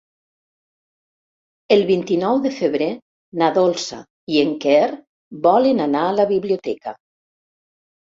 El vint-i-nou de febrer na Dolça i en Quer volen anar a la biblioteca.